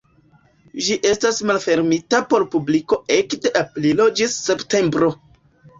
Ĝi estas malfermita por publiko ekde aprilo ĝis septembro.